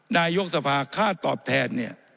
นายกสภาข้าตอบแทน